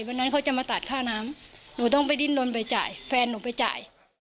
วันนั้นเขาจะมาตัดค่าน้ำหนูต้องไปดิ้นลนไปจ่ายแฟนหนูไปจ่าย